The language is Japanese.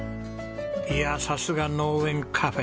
いやさすが農園カフェですね。